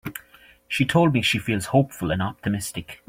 She told me she feels hopeful and optimistic.